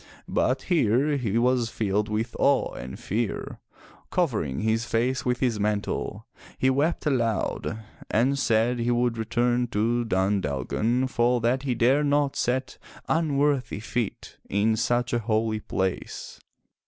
But here he was filled with awe and fear. Covering his face with his mantle, he wept aloud and said he would return to Dun Dalgan, for that he dared not set unworthy feet in such a holy place.